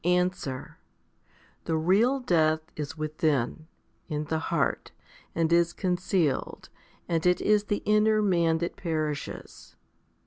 Answer. The real death is within, in the heart, and is concealed, and it is the inner man that perishes.